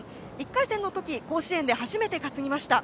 １回戦の時甲子園で初めて担ぎました。